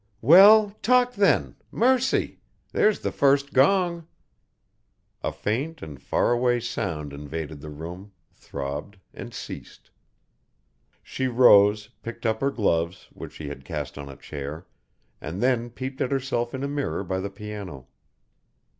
"Well, talk then mercy! There's the first gong." A faint and far away sound invaded the room, throbbed and ceased. She rose, picked up her gloves, which she had cast on a chair, and then peeped at herself in a mirror by the piano.